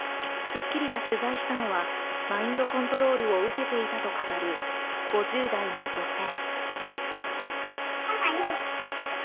『スッキリ』が取材したのはマインドコントロールを受けていたと語る５０代の女性。